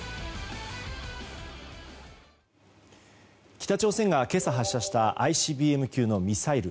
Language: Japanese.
北朝鮮が今朝発射したＩＣＢＭ級のミサイル。